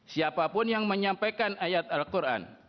siapa pun yang menyampaikan ayat al quran